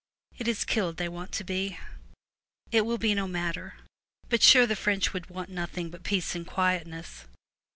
It is killed they want to be. It will be no matter; but sure the French want nothing but peace and quietness.